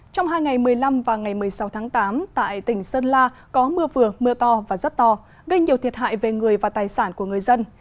trong hai ngày một mươi năm và ngày một mươi sáu tháng tám tại tỉnh sơn la có mưa vừa mưa to và rất to gây nhiều thiệt hại về người và tài sản của người dân